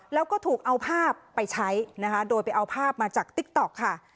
แล้วก็ถูกเอาภาพไปใช้นะคะโดยไปเอาภาพมาจากติ๊กต๊อกค่ะ